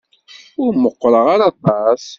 Ur meqqṛeɣ ara aṭas.